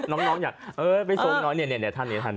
น้องอยากไปทรงน้อยเนี่ยท่านนี้ท่าน